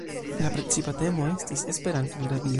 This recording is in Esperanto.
La precipa temo estis "Esperanto en radio".